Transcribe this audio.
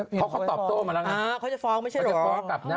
เพราะเขาตอบโตมาแล้วนะ